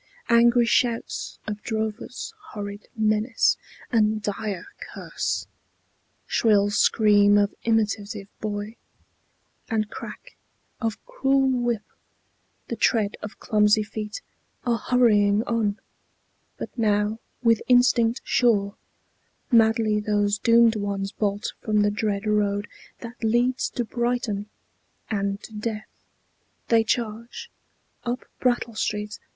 Angry shouts Of drovers, horrid menace, and dire curse, Shrill scream of imitative boy, and crack Of cruel whip, the tread of clumsy feet Are hurrying on: but now, with instinct sure, Madly those doomed ones bolt from the dread road That leads to Brighton and to death. They charge Up Brattle Street.